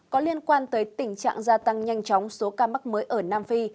có liên quan tới tình trạng gia tăng nhanh chóng số ca mắc mới ở nam phi